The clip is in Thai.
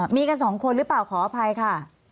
มีกันสองคนหรือเปล่าขออภัยค่ะ